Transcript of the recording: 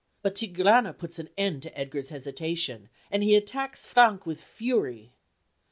But Tigrana puts an end to Edgar's hesitation, and he attacks Frank with fury.